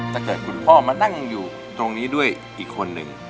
ถ้าเกิดคุณพ่อมานั่งอยู่ตรงนี้ด้วยอีกคนนึง